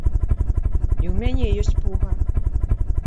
І ў мяне ёсць пуга!